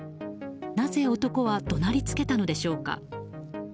なぜ男は怒鳴りつけたのでしょうか？